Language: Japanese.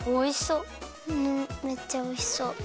うんめっちゃおいしそう。